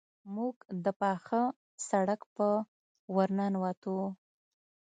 موږ د پاخه سړک په ورننوتو.